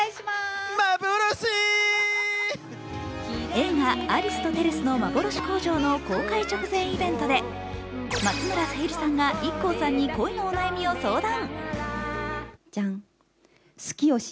映画「アリスとテレスのまぼろし工場」の公開直前イベントで、松村沙友理さんがＩＫＫＯさんに恋のお悩みを相談。